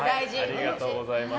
ありがとうございます。